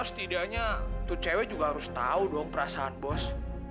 setidaknya tuh cewek juga harus tahu dong perasaan bos